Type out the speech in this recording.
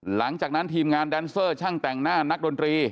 หลังจากนั้นทีมงานแดนเซอร์ช่างแต่งหน้านักดนตรี